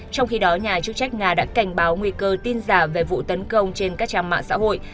trong khi đó nhà chức trách nga đã cảnh báo nguy cơ tin giả về vụ tấn công trên các trang mạng xã hội